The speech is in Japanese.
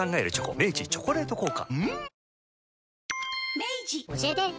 明治「チョコレート効果」